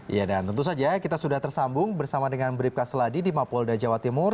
ya dan tentu saja kita sudah tersambung bersama dengan bribka seladi di mapolda jawa timur